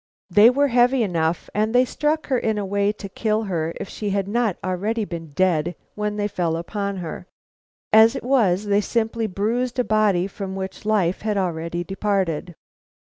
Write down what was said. "They were heavy enough, and they struck her in a way to kill her if she had not been already dead when they fell upon her. As it was, they simply bruised a body from which life had already departed."